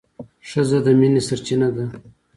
ښځه د مینې سرچینه ده.